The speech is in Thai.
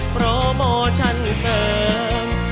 ขอบคุณครับ